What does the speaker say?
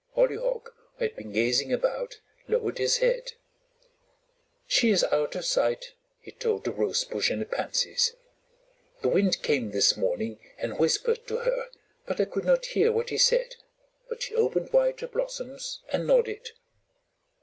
Hollyhock, who had been gazing about, lowered his head. "She is out of sight," he told the Rosebush and the Pansies. "The Wind came this morning and whispered to her, but I could not hear what he said; but she opened wide her blossom and nodded."